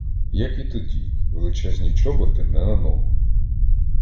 Як і тоді: величезні чоботи не на ногу.